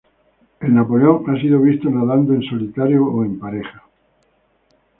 El Napoleón ha sido visto nadando en solitario o en pareja.